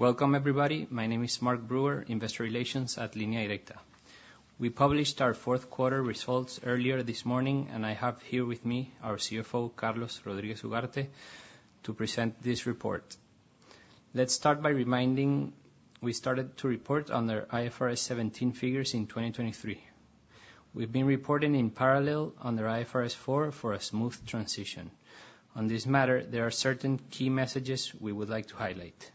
Welcome, everybody. My name is Mark Brewer, Investor Relations at Línea Directa. We published our fourth quarter results earlier this morning, and I have here with me our CFO, Carlos Rodríguez Ugarte, to present this report. Let's start by reminding we started to report on their IFRS 17 figures in 2023. We've been reporting in parallel on their IFRS 4 for a smooth transition. On this matter, there are certain key messages we would like to highlight.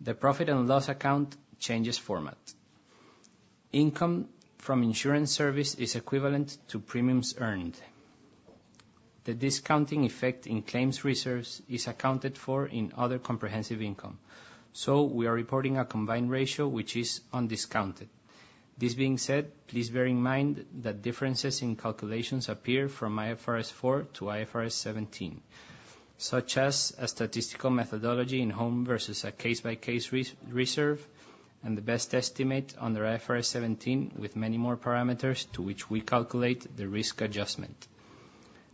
The profit and loss account changes format. Income from insurance service is equivalent to premiums earned. The discounting effect in claims reserves is accounted for in other comprehensive income, so we are reporting a combined ratio which is undiscounted. This being said, please bear in mind that differences in calculations appear from IFRS 4-IFRS 17, such as a statistical methodology in home versus a case-by-case reserve and the best estimate on their IFRS 17 with many more parameters to which we calculate the risk adjustment.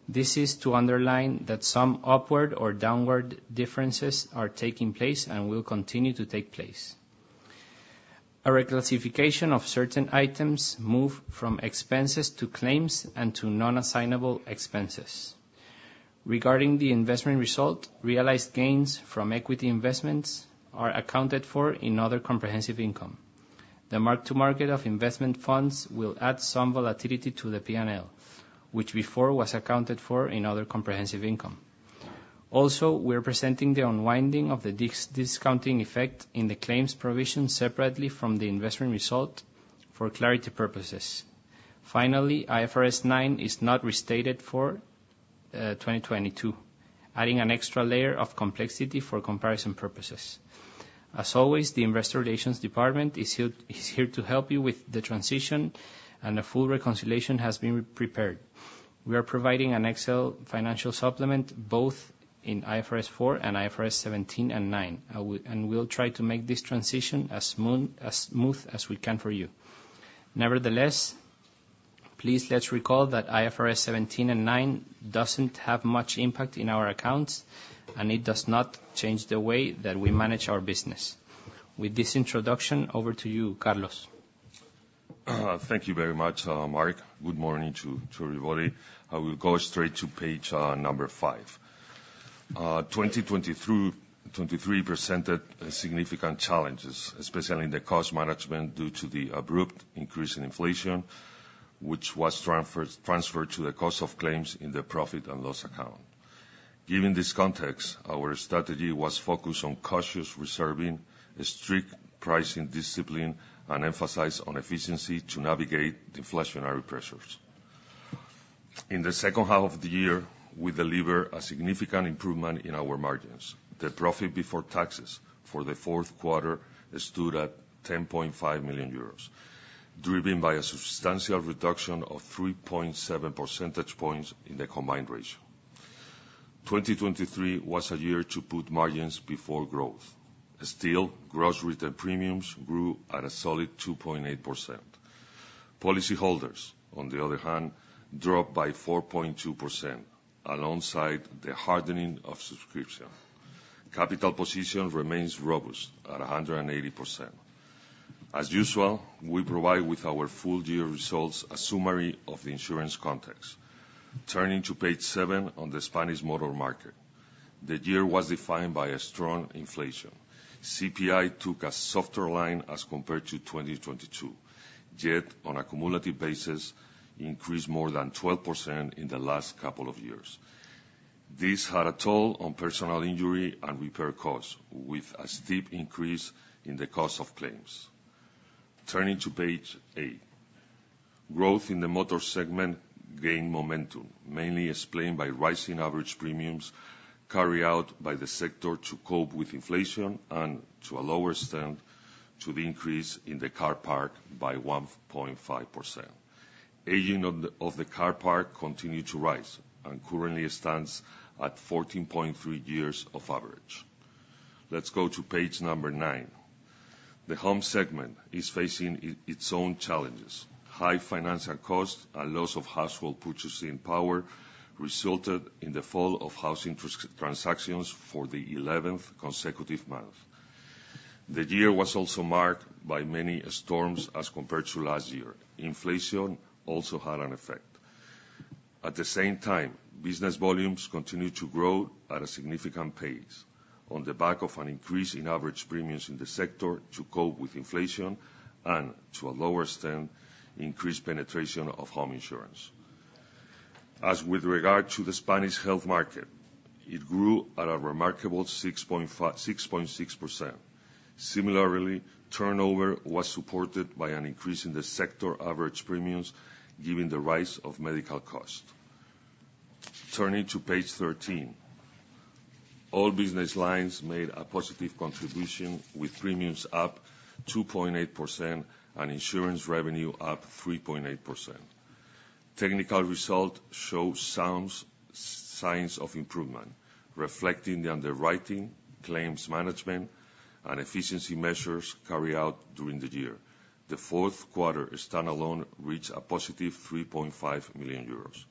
This is to underline that some upward or downward differences are taking place and will continue to take place. A reclassification of certain items moves from expenses to claims and to non-assignable expenses. Regarding the investment result, realized gains from equity investments are accounted for in other comprehensive income. The mark-to-market of investment funds will add some volatility to the P&L, which before was accounted for in other comprehensive income. Also, we are presenting the unwinding of the discounting effect in the claims provision separately from the investment result for clarity purposes. Finally, IFRS 9 is not restated for 2022, adding an extra layer of complexity for comparison purposes. As always, the Investor Relations Department is here to help you with the transition, and a full reconciliation has been prepared. We are providing an Excel financial supplement both in IFRS 4 and IFRS 17 and 9, and we'll try to make this transition as smooth as we can for you. Nevertheless, please let's recall that IFRS 17 and 9 doesn't have much impact in our accounts, and it does not change the way that we manage our business. With this introduction, over to you, Carlos. Thank you very much, Mark. Good morning to everybody. We'll go straight to page number 5. 2023 presented significant challenges, especially in the cost management due to the abrupt increase in inflation, which was transferred to the cost of claims in the profit and loss account. Given this context, our strategy was focused on cautious reserving, strict pricing discipline, and emphasized on efficiency to navigate inflationary pressures. In the second half of the year, we delivered a significant improvement in our margins. The profit before taxes for the fourth quarter stood at 10.5 million euros, driven by a substantial reduction of 3.7 percentage points in the combined ratio. 2023 was a year to put margins before growth. Still, gross written premiums grew at a solid 2.8%. Policyholders, on the other hand, dropped by 4.2% alongside the hardening of underwriting. Capital position remains robust at 180%. As usual, we provide with our full year results a summary of the insurance context. Turning to page 7 on the Spanish motor market, the year was defined by a strong inflation. CPI took a softer line as compared to 2022, yet on a cumulative basis, increased more than 12% in the last couple of years. This had a toll on personal injury and repair costs, with a steep increase in the cost of claims. Turning to page 8, growth in the motor segment gained momentum, mainly explained by rising average premiums carried out by the sector to cope with inflation and, to a lower extent, to the increase in the car parc by 1.5%. Aging of the car parc continued to rise and currently stands at 14.3 years of average. Let's go to page number 9. The home segment is facing its own challenges. High financial costs and loss of household purchasing power resulted in the fall of housing transactions for the 11th consecutive month. The year was also marked by many storms as compared to last year. Inflation also had an effect. At the same time, business volumes continued to grow at a significant pace on the back of an increase in average premiums in the sector to cope with inflation and, to a lower extent, increased penetration of home insurance. As with regard to the Spanish health market, it grew at a remarkable 6.6%. Similarly, turnover was supported by an increase in the sector average premiums given the rise of medical costs. Turning to page 13, all business lines made a positive contribution, with premiums up 2.8% and insurance revenue up 3.8%. Technical result shows signs of improvement, reflecting the underwriting, claims management, and efficiency measures carried out during the year. The fourth quarter standalone reached a +3.5 million euros.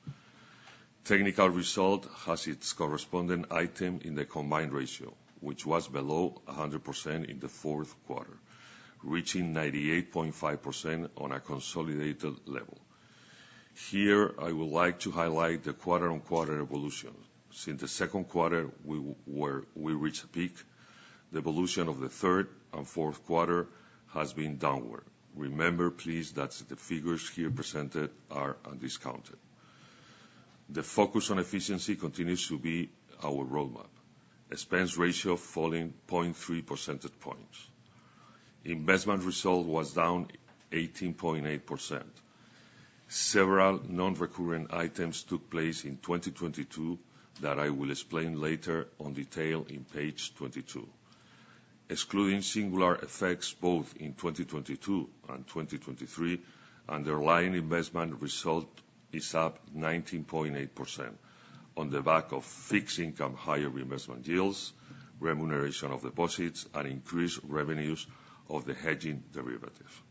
Technical result has its corresponding item in the combined ratio, which was below 100% in the fourth quarter, reaching 98.5% on a consolidated level. Here, I would like to highlight the quarter-on-quarter evolution. Since the second quarter, we reached a peak. The evolution of the third and fourth quarter has been downward. Remember, please, that the figures here presented are undiscounted. The focus on efficiency continues to be our roadmap. Expense ratio falling 0.3 percentage points. Investment result was down 18.8%. Several non-recurrent items took place in 2022 that I will explain later in detail on page 22. Excluding singular effects both in 2022 and 2023, underlying investment result is up 19.8% on the back of fixed income higher reinvestment yields, remuneration of deposits, and increased revenues of the hedging derivative.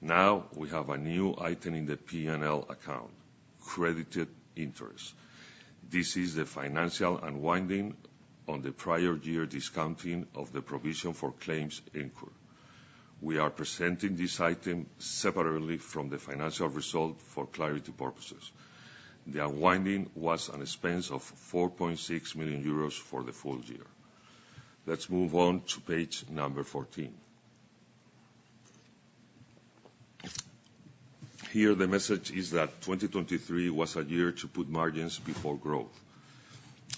Now we have a new item in the P&L account: credited interest. This is the financial unwinding on the prior year discounting of the provision for claims. We are presenting this item separately from the financial result for clarity purposes. The unwinding was an expense of 4.6 million euros for the full year. Let's move on to page 14. Here, the message is that 2023 was a year to put margins before growth,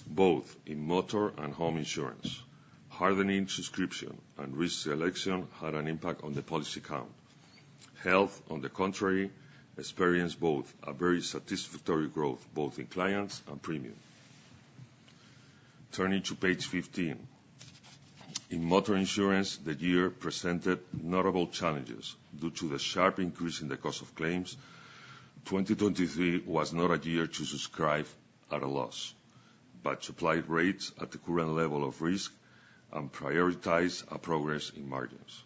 both in motor and home insurance. Hardening subscription and risk selection had an impact on the policy count. Health, on the contrary, experienced both a very satisfactory growth both in clients and premium. Turning to page 15, in motor insurance, the year presented notable challenges due to the sharp increase in the cost of claims. 2023 was not a year to subscribe at a loss, but apply rates at the current level of risk and prioritize progress in margins.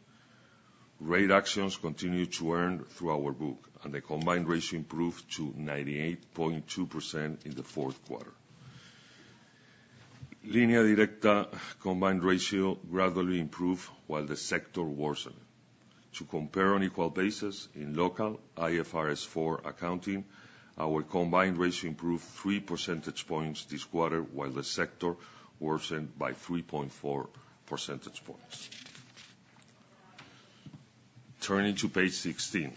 Rate actions continued to earn through our book, and the combined ratio improved to 98.2% in the fourth quarter. Línea Directa combined ratio gradually improved while the sector worsened. To compare on equal basis, in local IFRS 4 accounting, our combined ratio improved 3 percentage points this quarter while the sector worsened by 3.4 percentage points. Turning to page 16,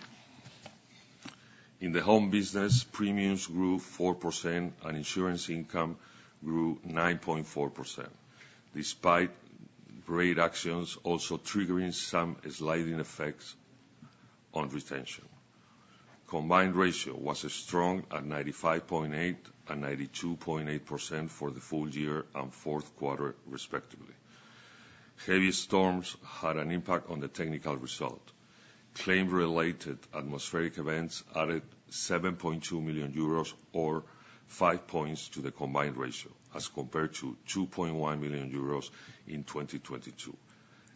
in the home business, premiums grew 4% and insurance income grew 9.4%, despite rate actions also triggering some sliding effects on retention. Combined ratio was strong at 95.8% and 92.8% for the full year and fourth quarter, respectively. Heavy storms had an impact on the technical result. Claim-related atmospheric events added 7.2 million euros or 5 points to the combined ratio as compared to 2.1 million euros in 2022.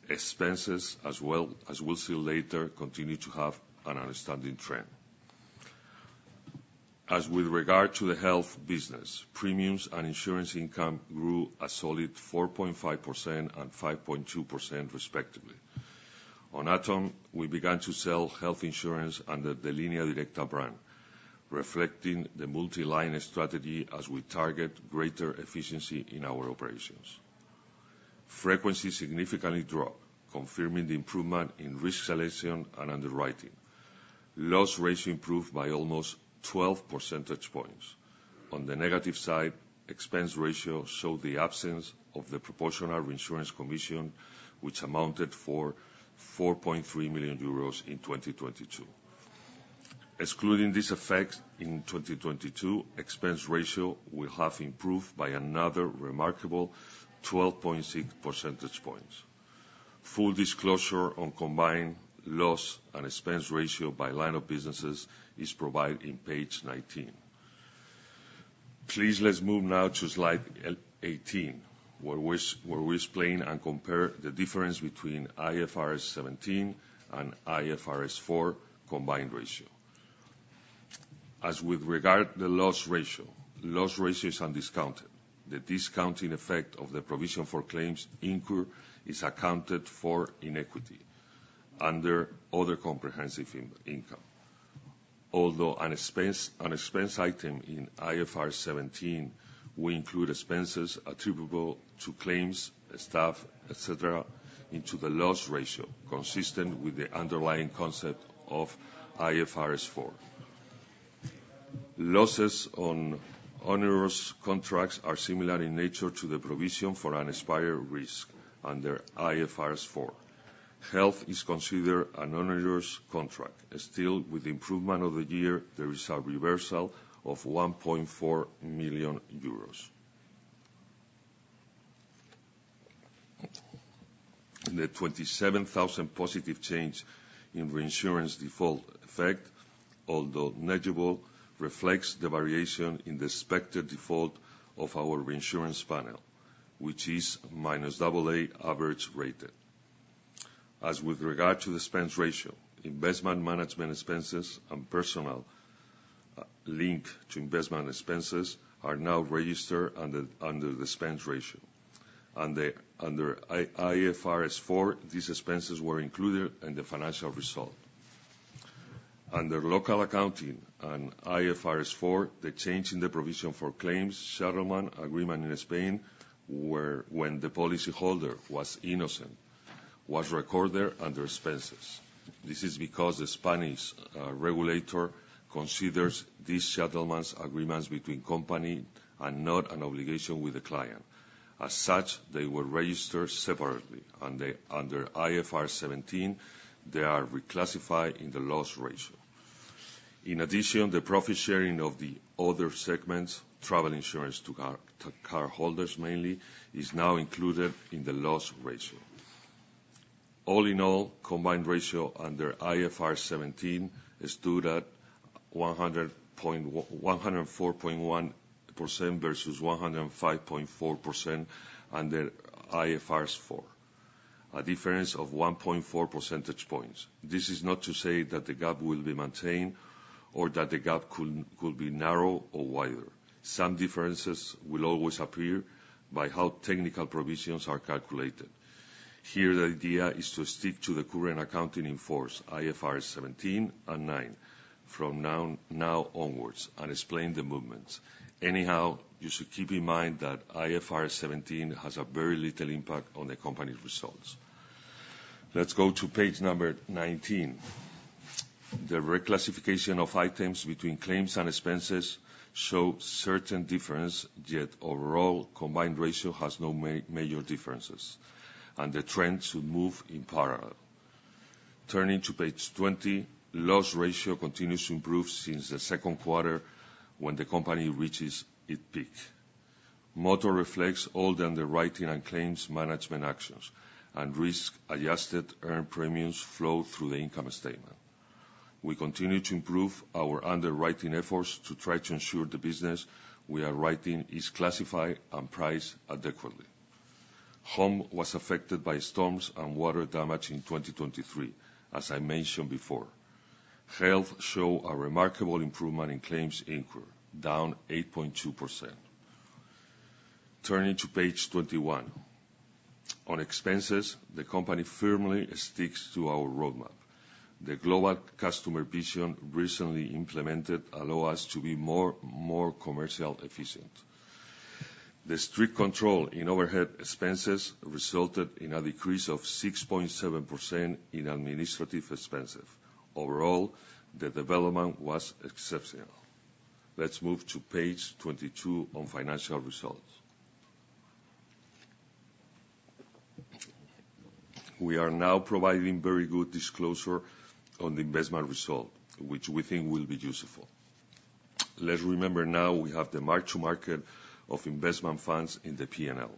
Expenses, as we'll see later, continue to have an outstanding trend. As with regard to the health business, premiums and insurance income grew a solid 4.5% and 5.2%, respectively. In Autumn, we began to sell health insurance under the Línea Directa brand, reflecting the multi-line strategy as we target greater efficiency in our operations. Frequency significantly dropped, confirming the improvement in risk selection and underwriting. Loss ratio improved by almost 12 percentage points. On the negative side, expense ratio showed the absence of the proportional reinsurance commission, which accounted for 4.3 million euros in 2022. Excluding these effects in 2022, expense ratio will have improved by another remarkable 12.6 percentage points. Full disclosure on combined loss and expense ratio by line of businesses is provided in page 19. Please let's move now to slide 18, where we explain and compare the difference between IFRS 17 and IFRS 4 combined ratio. As with regard to the loss ratio, loss ratio is undiscounted. The discounting effect of the provision for claims is accounted for in equity under other comprehensive income. Although an expense item in IFRS 17, we include expenses attributable to claims, staff, etc., into the loss ratio, consistent with the underlying concept of IFRS 4. Losses on onerous contracts are similar in nature to the provision for unexpired risk under IFRS 4. Health is considered an onerous contract. Still, with the improvement of the year, there is a reversal of 1.4 million euros. The 27,000 positive change in reinsurance default effect, although negligible, reflects the variation in the expected default of our reinsurance panel, which is AA- average rated. As with regard to the expense ratio, investment management expenses and personnel linked to investment expenses are now registered under the expense ratio. Under IFRS 4, these expenses were included in the financial result. Under local accounting and IFRS 4, the change in the provision for claims settlement agreement in Spain, when the policyholder was innocent, was recorded under expenses. This is because the Spanish regulator considers these settlement agreements between companies and not an obligation with the client. As such, they were registered separately, and under IFRS 17, they are reclassified in the loss ratio. In addition, the profit sharing of the other segments, travel insurance to cardholders mainly, is now included in the loss ratio. All in all, combined ratio under IFRS 17 stood at 104.1% versus 105.4% under IFRS 4, a difference of 1.4 percentage points. This is not to say that the gap will be maintained or that the gap could be narrow or wider. Some differences will always appear by how technical provisions are calculated. Here, the idea is to stick to the current accounting in force, IFRS 17 and IFRS 9, from now onwards, and explain the movements. Anyhow, you should keep in mind that IFRS 17 has a very little impact on the company's results. Let's go to page 19. The reclassification of items between claims and expenses shows certain difference, yet overall, combined ratio has no major differences, and the trend should move in parallel. Turning to page 20, loss ratio continues to improve since the second quarter when the company reaches its peak. Motor reflects all the underwriting and claims management actions, and risk-adjusted earned premiums flow through the income statement. We continue to improve our underwriting efforts to try to ensure the business we are writing is classified and priced adequately. Home was affected by storms and water damage in 2023, as I mentioned before. Health showed a remarkable improvement in claims frequency, down 8.2%. Turning to page 21. On expenses, the company firmly sticks to our roadmap. The global customer vision recently implemented allowed us to be more commercial efficient. The strict control in overhead expenses resulted in a decrease of 6.7% in administrative expenses. Overall, the development was exceptional. Let's move to page 22 on financial results. We are now providing very good disclosure on the investment result, which we think will be useful. Let's remember now we have the mark-to-market of investment funds in the P&L.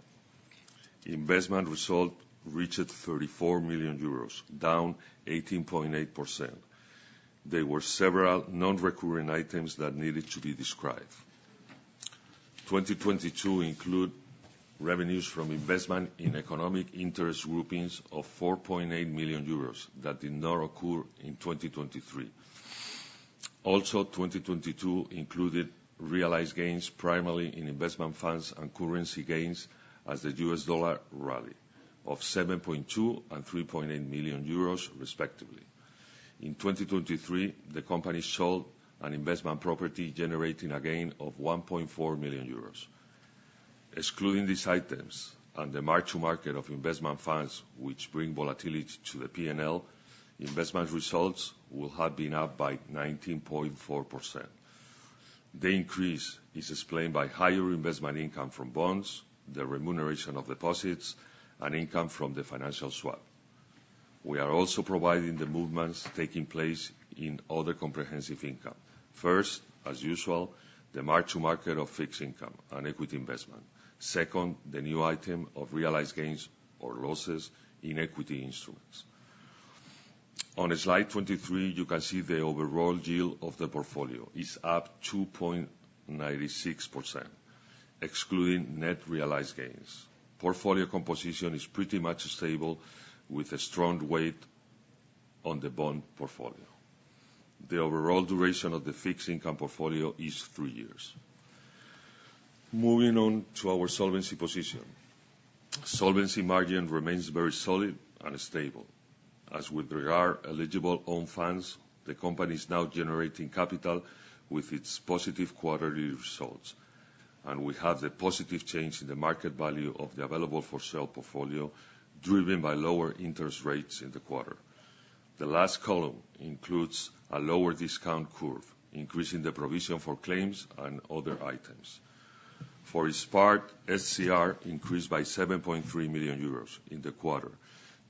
Investment result reached 34 million euros, down 18.8%. There were several non-recurrent items that needed to be described. 2022 included revenues from investment in economic interest groupings of 4.8 million euros that did not occur in 2023. Also, 2022 included realized gains primarily in investment funds and currency gains as the US dollar rallied of 7.2 million and 3.8 million euros, respectively. In 2023, the company sold an investment property generating a gain of 1.4 million euros. Excluding these items and the mark-to-market of investment funds, which bring volatility to the P&L, investment results will have been up by 19.4%. The increase is explained by higher investment income from bonds, the remuneration of deposits, and income from the financial swap. We are also providing the movements taking place in other comprehensive income. First, as usual, the mark-to-market of fixed income and equity investment. Second, the new item of realized gains or losses in equity instruments. On slide 23, you can see the overall yield of the portfolio is up 2.96%, excluding net realized gains. Portfolio composition is pretty much stable with a strong weight on the bond portfolio. The overall duration of the fixed income portfolio is three years. Moving on to our solvency position. Solvency margin remains very solid and stable. As with regard to eligible own funds, the company is now generating capital with its positive quarterly results. We have the positive change in the market value of the available-for-sale portfolio driven by lower interest rates in the quarter. The last column includes a lower discount curve, increasing the provision for claims and other items. For its part, SCR increased by 7.3 million euros in the quarter,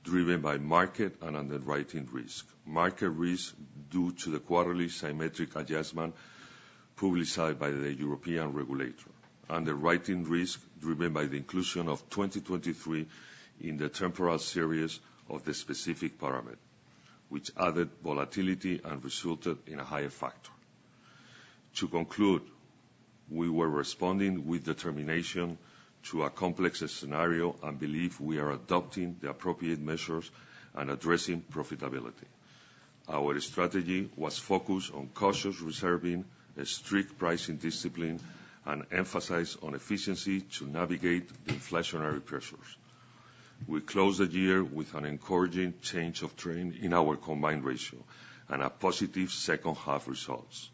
driven by market and underwriting risk, market risk due to the quarterly symmetric adjustment published by the European regulator, underwriting risk driven by the inclusion of 2023 in the temporal series of the specific parameter, which added volatility and resulted in a higher factor. To conclude, we were responding with determination to a complex scenario and believe we are adopting the appropriate measures and addressing profitability. Our strategy was focused on cautious reserving, strict pricing discipline, and emphasized on efficiency to navigate the inflationary pressures. We closed the year with an encouraging change of trend in our combined ratio and a positive second-half results,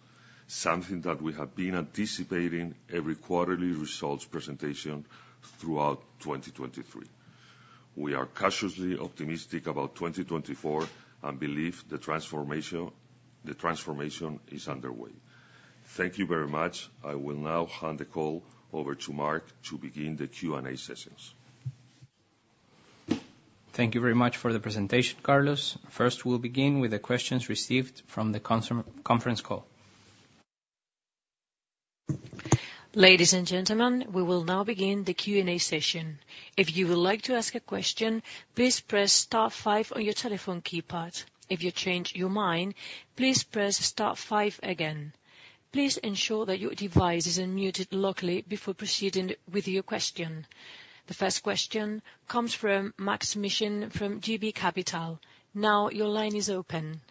something that we have been anticipating every quarterly results presentation throughout 2023. We are cautiously optimistic about 2024 and believe the transformation is underway. Thank you very much. I will now hand the call over to Mark to begin the Q&A sessions. Thank you very much for the presentation, Carlos. First, we'll begin with the questions received from the conference call. Ladies and gentlemen, we will now begin the Q&A session. If you would like to ask a question, please press star five on your telephone keypad. If you change your mind, please press star five again. Please ensure that your device is unmuted locally before proceeding with your question. The first question comes from Maksym Mishyn from JB Capital. Now your line is open.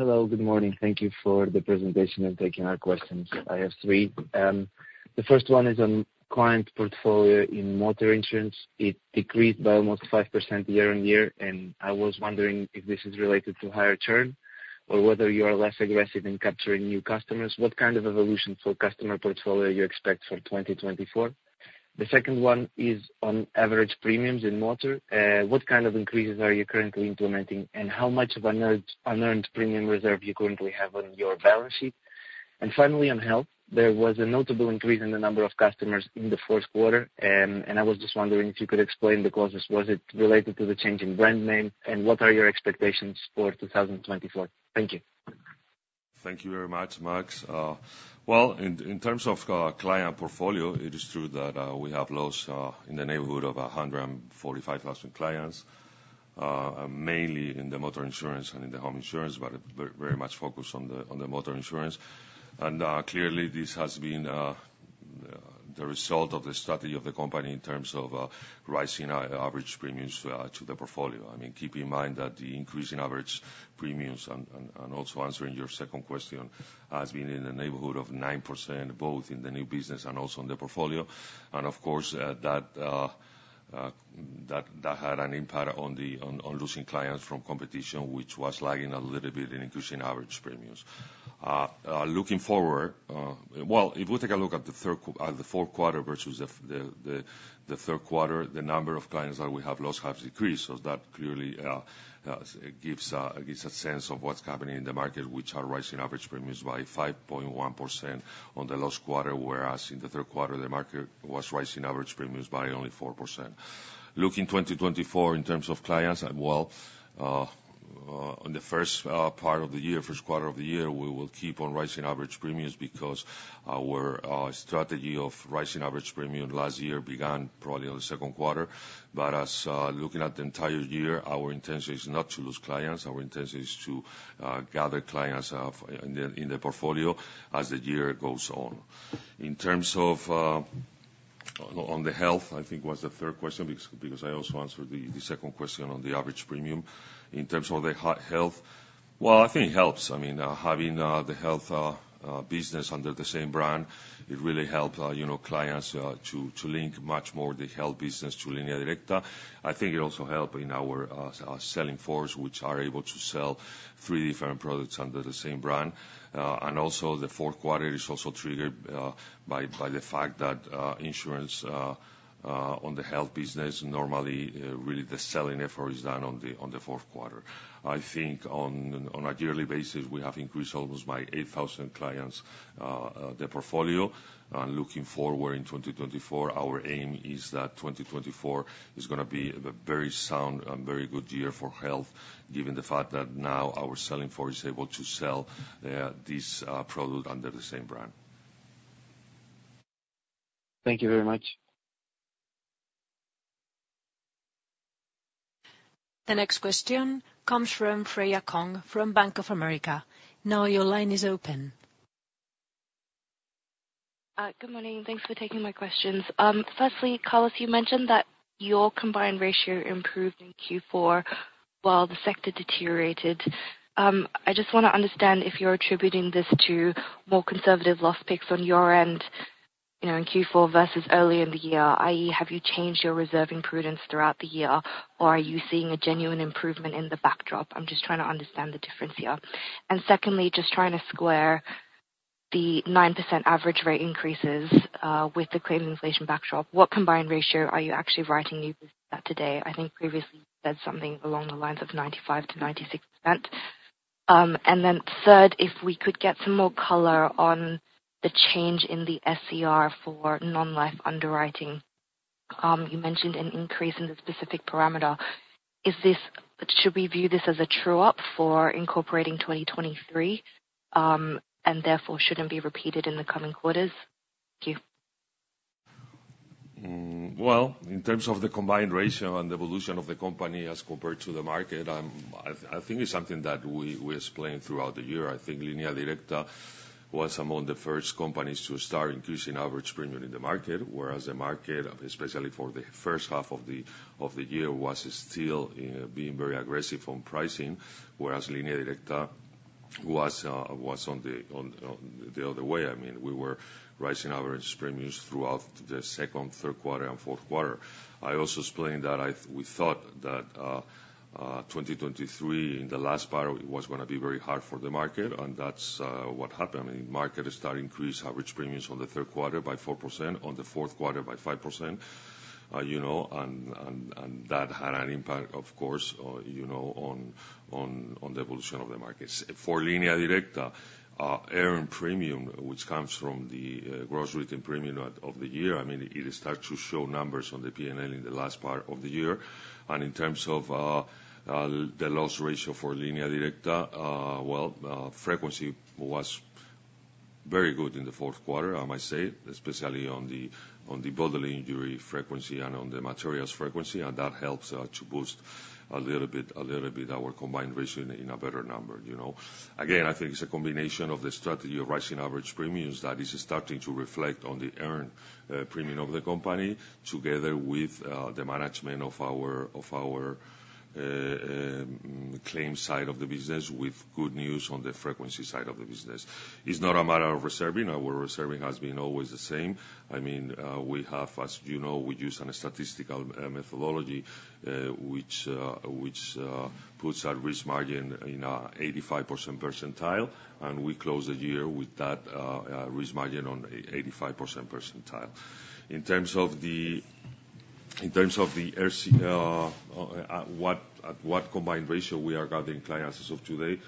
Hello. Good morning. Thank you for the presentation and taking our questions. I have three. The first one is on client portfolio in motor insurance. It decreased by almost 5% year-on-year, and I was wondering if this is related to higher churn or whether you are less aggressive in capturing new customers, what kind of evolution for customer portfolio you expect for 2024? The second one is on average premiums in motor. What kind of increases are you currently implementing, and how much of an unearned premium reserve you currently have on your balance sheet? And finally, on health, there was a notable increase in the number of customers in the fourth quarter, and I was just wondering if you could explain the causes. Was it related to the change in brand name, and what are your expectations for 2024? Thank you. Thank you very much, Maksym. Well, in terms of client portfolio, it is true that we have lost in the neighborhood of 145,000 clients, mainly in the motor insurance and in the home insurance, but very much focused on the motor insurance. Clearly, this has been the result of the strategy of the company in terms of rising average premiums to the portfolio. I mean, keep in mind that the increase in average premiums, and also answering your second question, has been in the neighborhood of 9% both in the new business and also in the portfolio. Of course, that had an impact on losing clients from competition, which was lagging a little bit in increasing average premiums. Looking forward, well, if we take a look at the fourth quarter versus the third quarter, the number of clients that we have lost has decreased. That clearly gives a sense of what's happening in the market, which are rising average premiums by 5.1% on the last quarter, whereas in the third quarter, the market was rising average premiums by only 4%. Looking to 2024 in terms of clients, well, in the first part of the year, first quarter of the year, we will keep on rising average premiums because our strategy of rising average premium last year began probably on the second quarter. Looking at the entire year, our intention is not to lose clients. Our intention is to gather clients in the portfolio as the year goes on. In terms of the health, I think was the third question because I also answered the second question on the average premium. In terms of the health, well, I think it helps. I mean, having the health business under the same brand, it really helps clients to link much more the health business to Línea Directa. I think it also helped in our selling force, which are able to sell three different products under the same brand. Also, the fourth quarter is also triggered by the fact that insurance on the health business, normally, really the selling effort is done on the fourth quarter. I think on a yearly basis, we have increased almost by 8,000 clients the portfolio. Looking forward in 2024, our aim is that 2024 is going to be a very sound and very good year for health, given the fact that now our selling force is able to sell this product under the same brand. Thank you very much. The next question comes from Freya Kong from Bank of America. Now your line is open. Good morning. Thanks for taking my questions. Firstly, Carlos, you mentioned that your combined ratio improved in Q4 while the sector deteriorated. I just want to understand if you're attributing this to more conservative loss picks on your end in Q4 versus early in the year, i.e., have you changed your reserving prudence throughout the year, or are you seeing a genuine improvement in the backdrop? I'm just trying to understand the difference here. Secondly, just trying to square the 9% average rate increases with the claims inflation backdrop, what combined ratio are you actually writing new business at today? I think previously you said something along the lines of 95%-96%. Third, if we could get some more color on the change in the SCR for non-life underwriting, you mentioned an increase in the specific parameter. Should we view this as a true-up for incorporating 2023 and therefore shouldn't be repeated in the coming quarters? Thank you. Well, in terms of the combined ratio and evolution of the company as compared to the market, I think it's something that we explained throughout the year. I think Línea Directa was among the first companies to start increasing average premium in the market, whereas the market, especially for the first half of the year, was still being very aggressive on pricing, whereas Línea Directa was on the other way. I mean, we were rising average premiums throughout the second, third quarter, and fourth quarter. I also explained that we thought that 2023, in the last part, it was going to be very hard for the market, and that's what happened. I mean, the market started to increase average premiums on the third quarter by 4%, on the fourth quarter by 5%, and that had an impact, of course, on the evolution of the market. For Línea Directa, earned premium, which comes from the gross written premium of the year, I mean, it starts to show numbers on the P&L in the last part of the year. In terms of the loss ratio for Línea Directa, well, frequency was very good in the fourth quarter, I might say, especially on the bodily injury frequency and on the materials frequency, and that helps to boost a little bit our combined ratio in a better number. Again, I think it's a combination of the strategy of rising average premiums that is starting to reflect on the earned premium of the company together with the management of our claims side of the business with good news on the frequency side of the business. It's not a matter of reserving. Our reserving has been always the same. I mean, we have, as you know, we use a statistical methodology which puts our risk margin in an 85th percentile, and we close the year with that risk margin on an 85th percentile. In terms of our CR, at what combined ratio we are gathering clients as of today,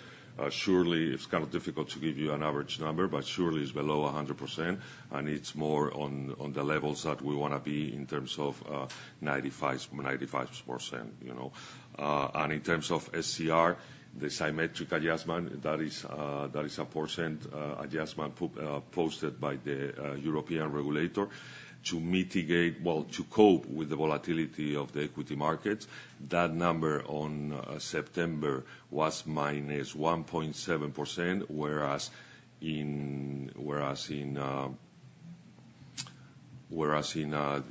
surely it's kind of difficult to give you an average number, but surely it's below 100%, and it's more on the levels that we want to be in terms of 95%. In terms of SCR, the symmetric adjustment, that is a percent adjustment published by the European regulator to mitigate, well, to cope with the volatility of the equity markets. That number on September was -1.7%, whereas in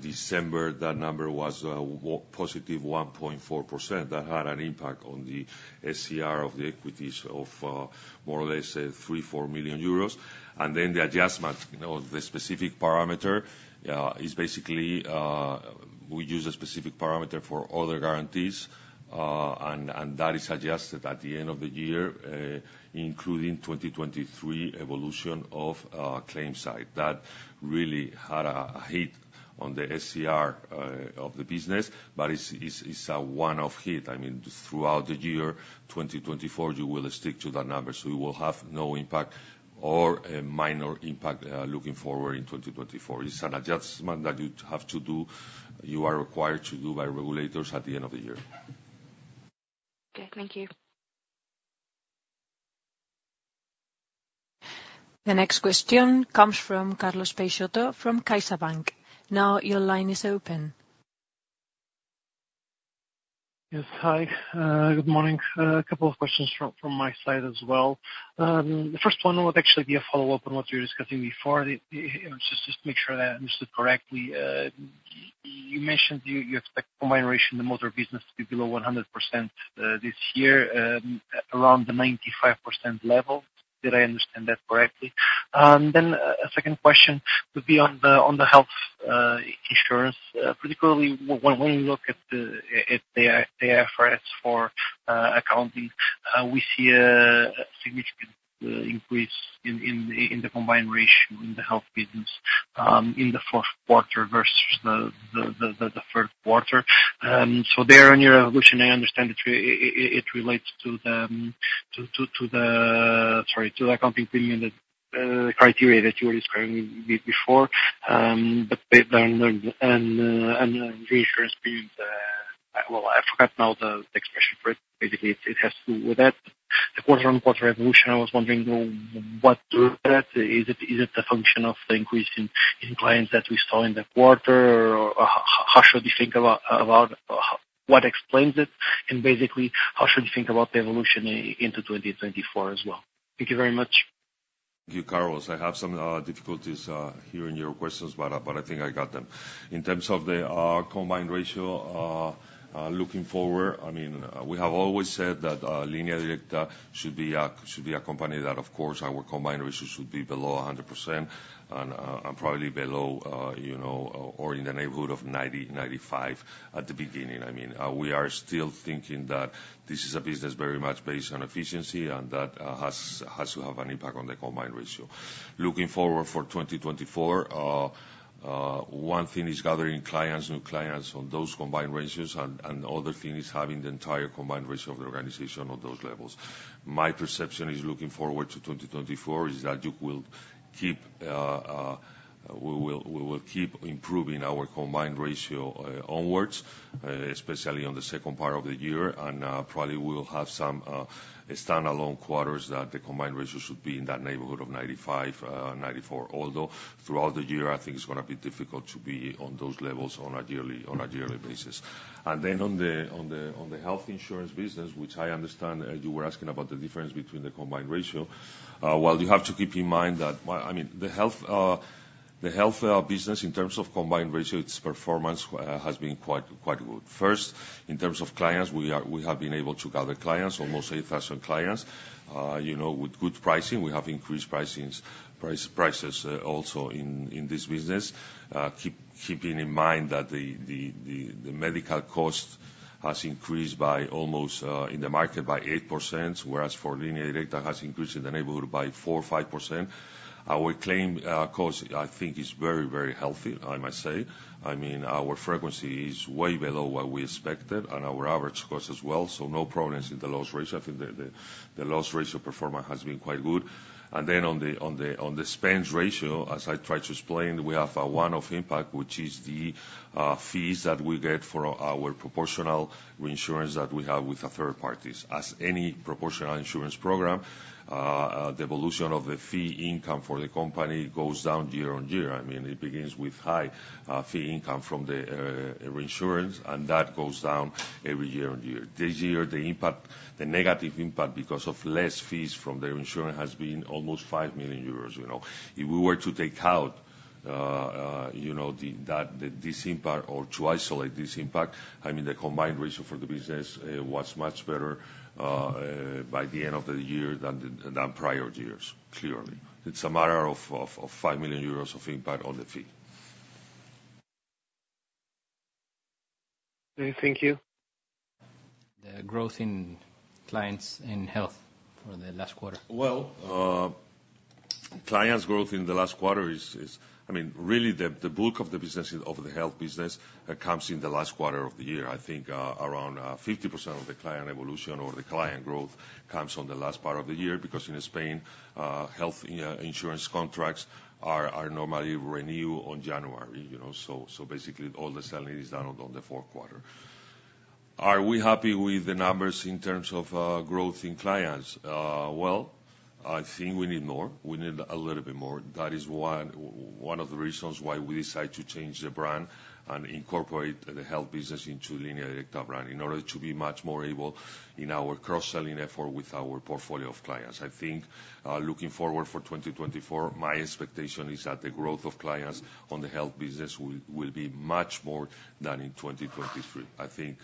December, that number was +1.4%. That had an impact on the SCR of the equities of more or less 3 million-4 million euros. Then the adjustment, the specific parameter, is basically we use a specific parameter for other guarantees, and that is adjusted at the end of the year, including 2023 evolution of claim side. That really had a hit on the SCR of the business, but it's a one-off hit. I mean, throughout the year, 2024, you will stick to that number, so you will have no impact or a minor impact looking forward in 2024. It's an adjustment that you have to do, you are required to do by regulators at the end of the year. Okay. Thank you. The next question comes from Carlos Peixoto from CaixaBank. Now your line is open. Yes. Hi. Good morning. A couple of questions from my side as well. The first one would actually be a follow-up on what you were discussing before. Just to make sure that I understood correctly, you mentioned you expect combined ratio in the motor business to be below 100% this year, around the 95% level. Did I understand that correctly? Then a second question would be on the health insurance. Particularly, when we look at the IFRS for accounting, we see a significant increase in the combined ratio in the health business in the fourth quarter versus the third quarter. The earlier evolution, I understand that it relates to the accounting premium criteria that you were describing before, but the insurance premium well, I forgot now the expression for it. Basically, it has to do with that. The quarter-on-quarter evolution, I was wondering what does that? Is it a function of the increase in clients that we saw in the quarter, or how should we think about what explains it? Basically, how should we think about the evolution into 2024 as well? Thank you very much. Thank you, Carlos. I have some difficulties hearing your questions, but I think I got them. In terms of the combined ratio, looking forward, I mean, we have always said that Línea Directa should be a company that, of course, our combined ratio should be below 100% and probably below or in the neighborhood of 90, 95 at the beginning. I mean, we are still thinking that this is a business very much based on efficiency and that has to have an impact on the combined ratio. Looking forward for 2024, one thing is gathering clients, new clients on those combined ratios, and the other thing is having the entire combined ratio of the organization on those levels. My perception is looking forward to 2024 is that you will keep we will keep improving our combined ratio onwards, especially on the second part of the year, and probably we will have some standalone quarters that the combined ratio should be in that neighborhood of 95, 94. Although, throughout the year, I think it's going to be difficult to be on those levels on a yearly basis. Then on the health insurance business, which I understand you were asking about the difference between the combined ratio, well, you have to keep in mind that I mean, the health business, in terms of combined ratio, its performance has been quite good. First, in terms of clients, we have been able to gather clients, almost 8,000 clients, with good pricing. We have increased prices also in this business, keeping in mind that the medical cost has increased in the market by 8%, whereas for Línea Directa, it has increased in the neighborhood by 4%-5%. Our claim cost, I think, is very, very healthy, I might say. I mean, our frequency is way below what we expected and our average cost as well, so no problems in the loss ratio. I think the loss ratio performance has been quite good. Then on the expense ratio, as I tried to explain, we have one-off impact, which is the fees that we get for our proportional reinsurance that we have with third parties. As any proportional reinsurance program, the evolution of the fee income for the company goes down year on year. I mean, it begins with high fee income from the reinsurance, and that goes down every year on year. This year, the negative impact because of less fees from the reinsurance has been almost 5 million euros. If we were to take out this impact or to isolate this impact, I mean, the combined ratio for the business was much better by the end of the year than prior years, clearly. It's a matter of 5 million euros of impact on the fee. Okay. Thank you. The growth in clients in health for the last quarter? Well, clients' growth in the last quarter is I mean, really, the bulk of the business of the health business comes in the last quarter of the year. I think around 50% of the client evolution or the client growth comes on the last part of the year because in Spain, health insurance contracts are normally renewed on January. So basically, all the selling is done on the fourth quarter. Are we happy with the numbers in terms of growth in clients? Well, I think we need more. We need a little bit more. That is one of the reasons why we decided to change the brand and incorporate the health business into the Línea Directa brand in order to be much more able in our cross-selling effort with our portfolio of clients. I think looking forward for 2024, my expectation is that the growth of clients on the health business will be much more than in 2023. I think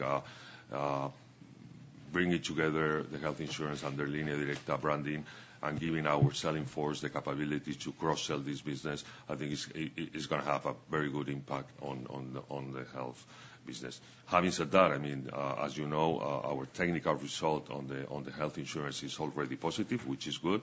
bringing together the health insurance and the Línea Directa branding and giving our selling force the capability to cross-sell this business, I think it's going to have a very good impact on the health business. Having said that, I mean, as you know, our technical result on the health insurance is already positive, which is good.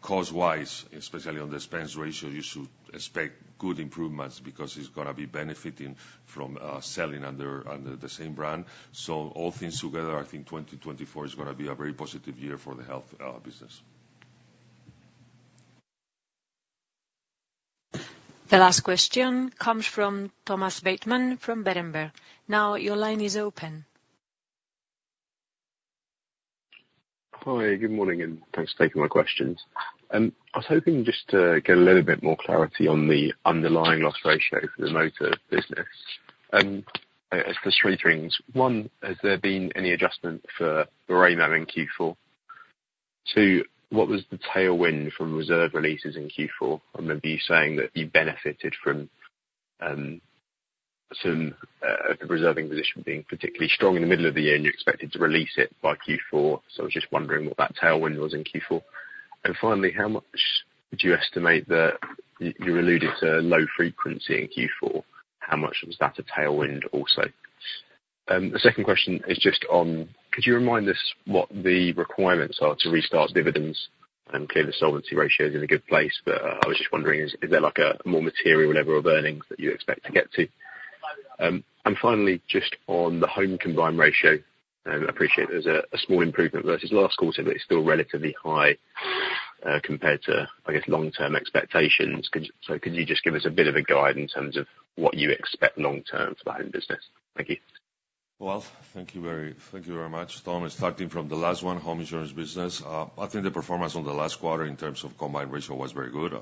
Cost-wise, especially on the expense ratio, you should expect good improvements because it's going to be benefiting from selling under the same brand. So all things together, I think 2024 is going to be a very positive year for the health business. The last question comes from Thomas Bateman from Berenberg. Now your line is open. Hi. Good morning and thanks for taking my questions. I was hoping just to get a little bit more clarity on the underlying loss ratio for the motor business as to three things. One, has there been any adjustment for the Baremo in Q4? Two, what was the tailwind from reserve releases in Q4? I remember you saying that you benefited from the reserving position being particularly strong in the middle of the year, and you expected to release it by Q4. So I was just wondering what that tailwind was in Q4. Finally, how much would you estimate that you alluded to low frequency in Q4? How much was that a tailwind also? The second question is just on could you remind us what the requirements are to restart dividends? I'm clear the solvency ratio is in a good place, but I was just wondering, is there a more material level of earnings that you expect to get to? Finally, just on the home combined ratio, I appreciate there's a small improvement versus last quarter, but it's still relatively high compared to, I guess, long-term expectations. Could you just give us a bit of a guide in terms of what you expect long-term for the home business? Thank you. Well, thank you very much, Thomas. Starting from the last one, home insurance business, I think the performance on the last quarter in terms of combined ratio was very good.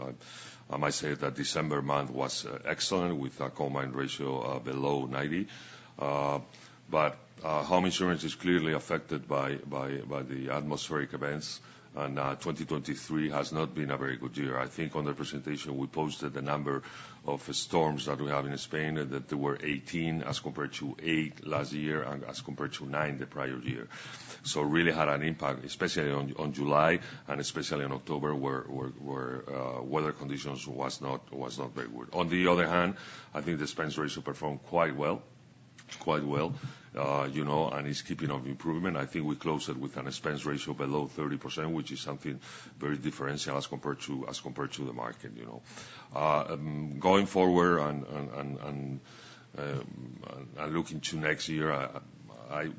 I might say that December month was excellent with a combined ratio below 90%. Home insurance is clearly affected by the atmospheric events, and 2023 has not been a very good year. I think on the presentation, we posted the number of storms that we have in Spain, and that there were 18 as compared to 8 last year and as compared to 9 the prior year. It really had an impact, especially on July and especially on October where weather conditions were not very good. On the other hand, I think the expense ratio performed quite well, quite well, and is keeping on improving. I think we closed it with an expense ratio below 30%, which is something very differential as compared to the market. Going forward and looking to next year,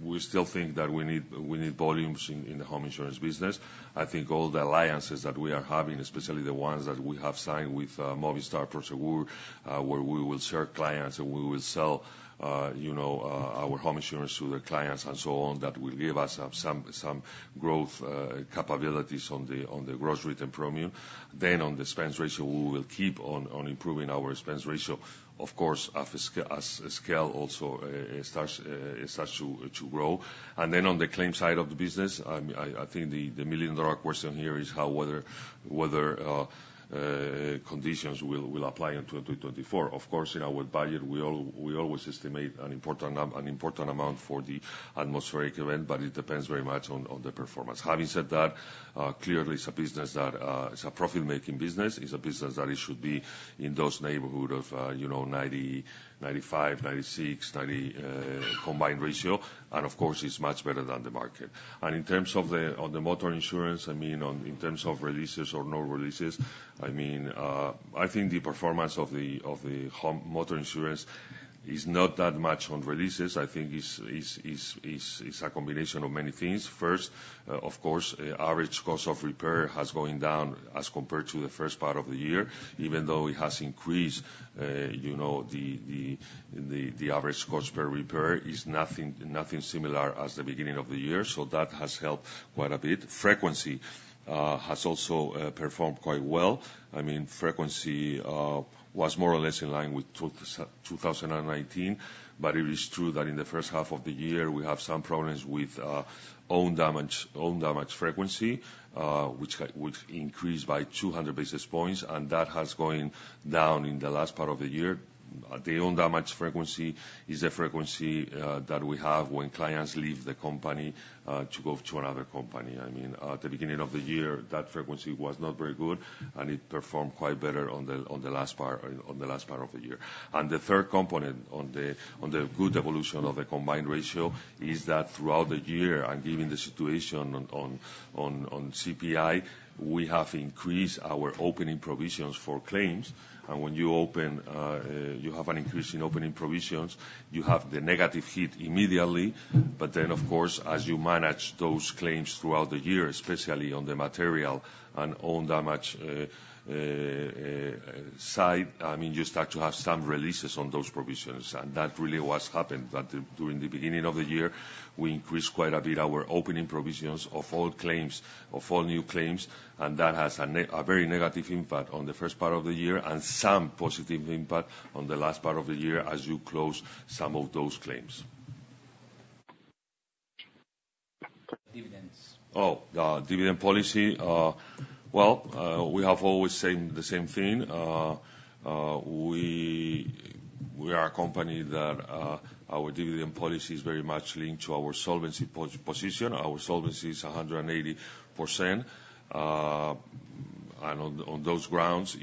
we still think that we need volumes in the home insurance business. I think all the alliances that we are having, especially the ones that we have signed with Movistar Prosegur, where we will share clients and we will sell our home insurance to the clients and so on, that will give us some growth capabilities on the gross rate and premium. Then on the expense ratio, we will keep on improving our expense ratio. Of course, as scale also starts to grow. Then on the claim side of the business, I think the million-dollar question here is how weather conditions will apply in 2024. Of course, in our budget, we always estimate an important amount for the atmospheric event, but it depends very much on the performance. Having said that, clearly, it's a business that it's a profit-making business. It's a business that it should be in those neighborhoods of 90, 95, 96 combined ratio. Of course, it's much better than the market. In terms of the motor insurance, I mean, in terms of releases or no releases, I mean, I think the performance of the motor insurance is not that much on releases. I think it's a combination of many things. First, of course, average cost of repair has gone down as compared to the first part of the year, even though it has increased. The average cost per repair is nothing similar as the beginning of the year, so that has helped quite a bit. Frequency has also performed quite well. I mean, frequency was more or less in line with 2019, but it is true that in the first half of the year, we have some problems with own damage frequency, which increased by 200 basis points, and that has gone down in the last part of the year. The own damage frequency is the frequency that we have when clients leave the company to go to another company. I mean, at the beginning of the year, that frequency was not very good, and it performed quite better on the last part of the year. The third component on the good evolution of the combined ratio is that throughout the year and given the situation on CPI, we have increased our opening provisions for claims. When you have an increase in opening provisions, you have the negative hit immediately. Then, of course, as you manage those claims throughout the year, especially on the material and own damage side, I mean, you start to have some releases on those provisions. That really was happened that during the beginning of the year, we increased quite a bit our opening provisions of all new claims, and that has a very negative impact on the first part of the year and some positive impact on the last part of the year as you close some of those claims. Dividends. Oh, dividend policy. Well, we have always said the same thing. We are a company that our dividend policy is very much linked to our solvency position. Our solvency is 180%. On those grounds,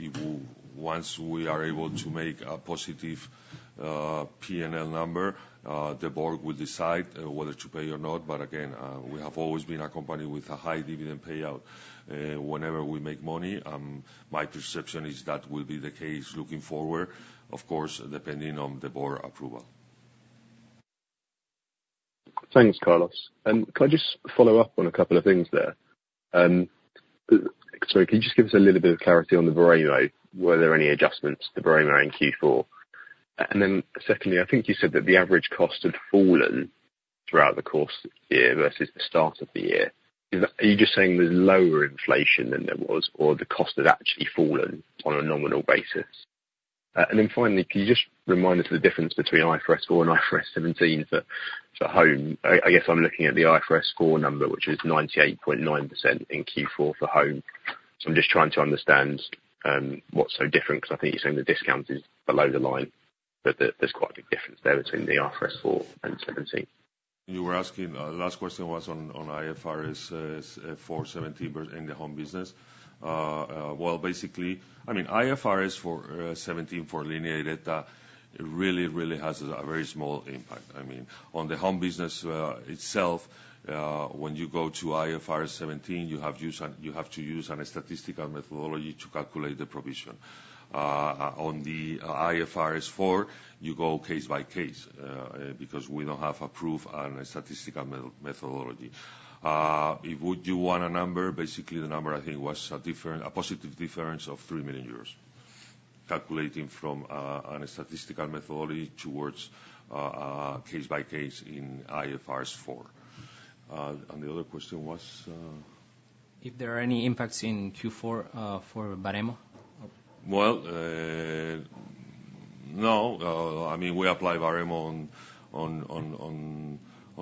once we are able to make a positive P&L number, the board will decide whether to pay or not. Again, we have always been a company with a high dividend payout. Whenever we make money, my perception is that will be the case looking forward, of course, depending on the board approval. Thanks, Carlos. Can I just follow up on a couple of things there? Sorry, can you just give us a little bit of clarity on the Baremo, were there any adjustments to the Baremo in Q4? And then secondly, I think you said that the average cost had fallen throughout the course of the year versus the start of the year. You just saying there's lower inflation than there was, or the cost had actually fallen on a nominal basis? Then finally, can you just remind us of the difference between IFRS 4 and IFRS 17 for home? I guess I'm looking at the IFRS 4 number, which is 98.9% in Q4 for home. I'm just trying to understand what's so different because I think you're saying the discount is below the line, but there's quite a big difference there between the IFRS 4 and 17. You were asking the last question was on IFRS 4, 17, and the home business. Well, basically, I mean, IFRS 17 for Línea Directa really, really has a very small impact. I mean, on the home business itself, when you go to IFRS 17, you have to use a statistical methodology to calculate the provision. On the IFRS 4, you go case by case because we don't have approved a statistical methodology. If you want a number, basically, the number, I think, was a positive difference of 3 million euros calculating from a statistical methodology towards case by case in IFRS 4. And the other question was: If there are any impacts in Q4 for Baremo? Well, no. I mean, we apply Baremo on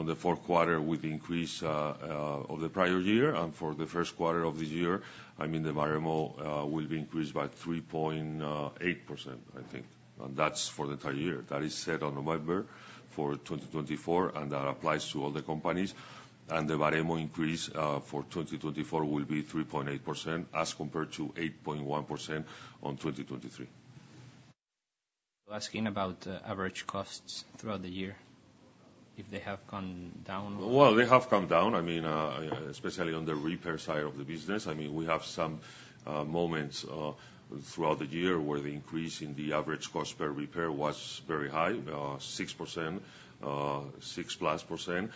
the fourth quarter with the increase of the prior year. For the first quarter of this year, I mean, the Baremo will be increased by 3.8%, I think. That's for the entire year. That is set on November for 2024, and that applies to all the companies. The Baremo increase for 2024 will be 3.8% as compared to 8.1% on 2023. Asking about average costs throughout the year, if they have gone down? Well, they have come down, I mean, especially on the repair side of the business. I mean, we have some moments throughout the year where the increase in the average cost per repair was very high, 6%, 6%+.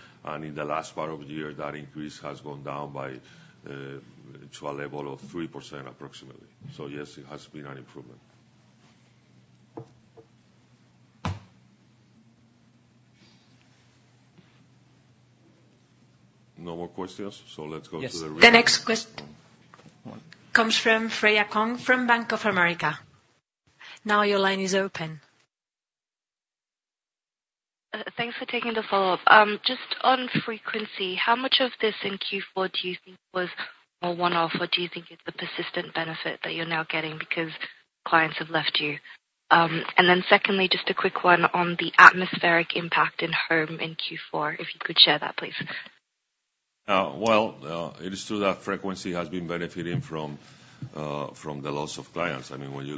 In the last part of the year, that increase has gone down to a level of 3% approximately. Yes, it has been an improvement. No more questions? Let's go to the rest. Yes. The next question comes from Freya Kong from Bank of America. Now your line is open. Thanks for taking the follow-up. Just on frequency, how much of this in Q4 do you think was more one-off, or do you think it's a persistent benefit that you're now getting because clients have left you? And then secondly, just a quick one on the atmospheric impact in home in Q4, if you could share that? Please. Well, it is true that frequency has been benefiting from the loss of clients. I mean, when you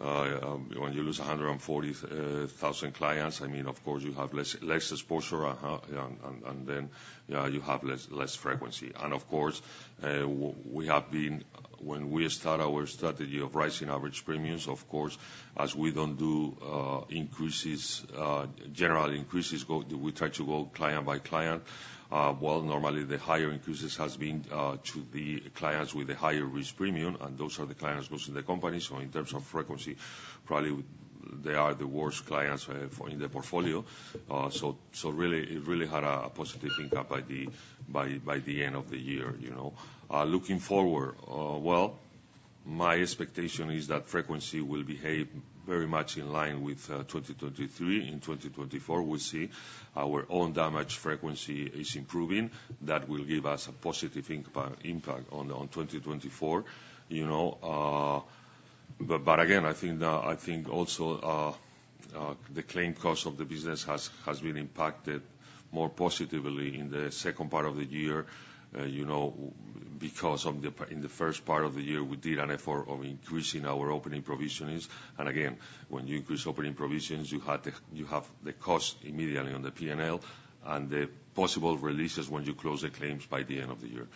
lose 140,000 clients, I mean, of course, you have less exposure, and then you have less frequency. Of course, when we start our strategy of rising average premiums, of course, as we don't do general increases, we try to go client by client. Well, normally, the higher increases have been to the clients with the higher risk premium, and those are the clients most in the company. In terms of frequency, probably they are the worst clients in the portfolio. Really, it really had a positive impact by the end of the year. Looking forward, well, my expectation is that frequency will behave very much in line with 2023. In 2024, we'll see our own damage frequency is improving. That will give us a positive impact on 2024. Again, I think also the claim cost of the business has been impacted more positively in the second part of the year because in the first part of the year, we did an effort of increasing our opening provisions. Again, when you increase opening provisions, you have the cost immediately on the P&L and the possible releases when you close the claims by the end of the year.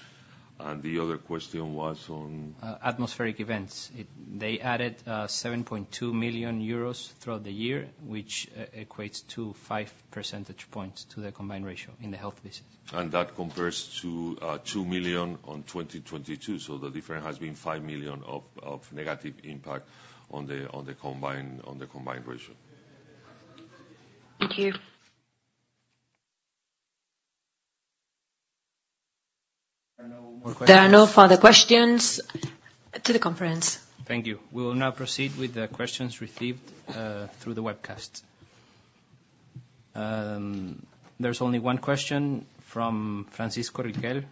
The other question was on? Atmospheric events. They added 7.2 million euros throughout the year, which equates to 5 percentage points to the combined ratio in the health business. That compares to 2 million on 2022. So the difference has been 5 million of negative impact on the combined ratio. Thank you. There are no more questions? There are no further questions to the conference. Thank you. We will now proceed with the questions received through the webcast. There's only one question from Francisco Riquel.